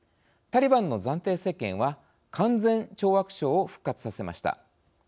タリバンの暫定政権は勧善懲悪省を復活させました。